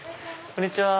こんにちは。